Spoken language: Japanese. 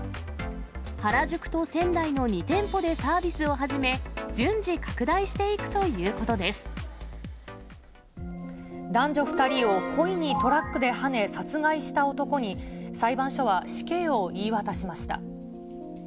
原宿と仙台の２店舗でサービスを始め、順次、拡大していくという男女２人を故意にトラックではね、殺害した男に、裁判所は死刑を言い渡しました。